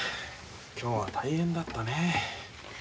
今日は大変だったね。